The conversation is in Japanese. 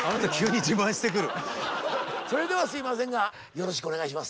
それではすいませんがよろしくお願いします。